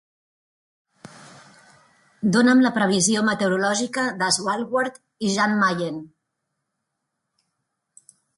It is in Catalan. Dóna'm la previsió meteorològica de Svalbard i Jan Mayen.